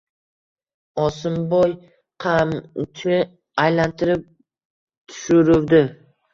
Osimboy qamchi aylantirib tushiruvdi.